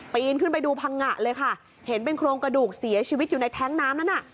นขึ้นไปดูพังงะเลยค่ะเห็นเป็นโครงกระดูกเสียชีวิตอยู่ในแท้งน้ำนั้นน่ะ